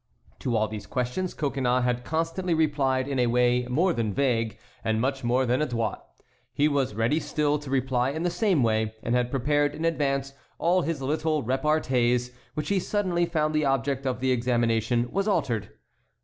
To all these questions Coconnas had constantly replied in a way more than vague and much more than adroit; he was ready still to reply in the same way, and had prepared in advance all his little repartees, when he suddenly found the object of the examination was altered.